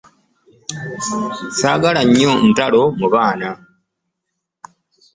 Sagala nnyo ntalo mu baana.